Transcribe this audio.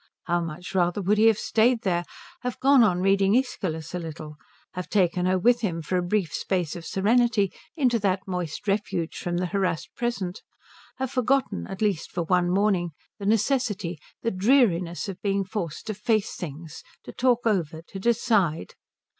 How much rather would he have stayed there, have gone on reading Æschylus a little, have taken her with him for a brief space of serenity into that moist refuge from the harassed present, have forgotten at least for one morning the necessity, the dreariness of being forced to face things, to talk over, to decide.